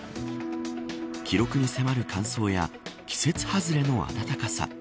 記録に迫る乾燥や季節外れの暖かさ。